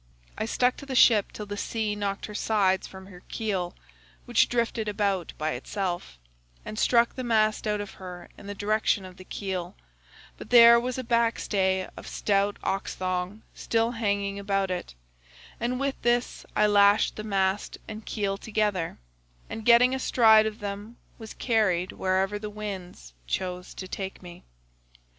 "I stuck to the ship till the sea knocked her sides from her keel (which drifted about by itself) and struck the mast out of her in the direction of the keel; but there was a backstay of stout ox thong still hanging about it, and with this I lashed the mast and keel together, and getting astride of them was carried wherever the winds chose to take me.